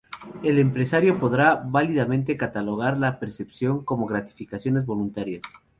El empresario podrá válidamente catalogar la percepción como gratificaciones voluntarias.